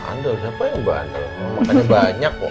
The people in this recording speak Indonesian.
bandel siapa yang bandel mama makannya banyak kok